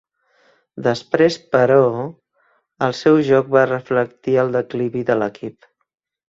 Després, però, el seu joc va reflectir el declivi de l'equip.